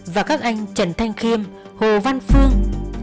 và các anh trần thanh khiêm hồ văn phương